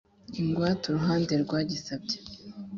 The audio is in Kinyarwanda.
Ingwate uruhande rwagisabye